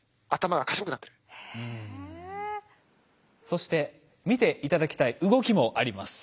そして見て頂きたい動きもあります。